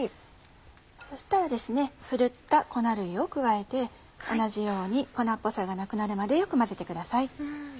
そしたらふるった粉類を加えて同じように粉っぽさがなくなるまでよく混ぜてください。